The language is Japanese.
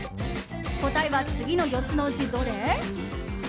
答えは次の４つのうちどれ？